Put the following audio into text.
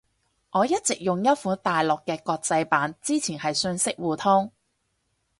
我一直用一款大陸嘅國際版。之前係信息互通